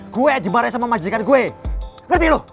gue yang dimarahin sama manjikan gue ngerti lo